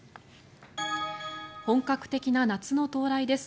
本格的な夏の到来です。